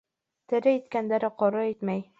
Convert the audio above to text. Тере иткәнде ҡоро итмәй.